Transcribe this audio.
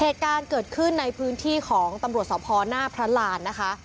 เหตุการณ์เกิดขึ้นในพื้นที่ของตำรวจสพหน้าพระรานนะคะ